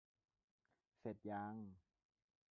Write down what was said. เสร็จยัง